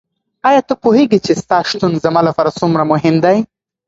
ایا ته پوهېږې چې ستا شتون زما لپاره څومره مهم دی؟